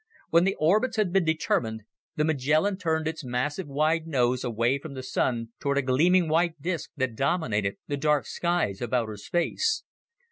When the orbits had been determined, the Magellan turned its massive wide nose away from the Sun toward a gleaming white disc that dominated the dark skies of outer space.